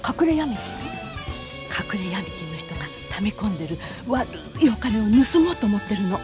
隠れヤミ金の人がため込んでる悪いお金を盗もうと思ってるの。